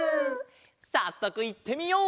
さっそくいってみよう！